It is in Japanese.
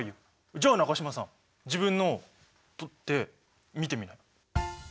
じゃあ中島さん自分のを取って見てみなよ。